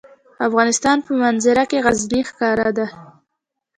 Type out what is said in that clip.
د افغانستان په منظره کې غزني ښکاره ده.